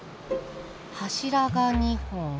柱が２本。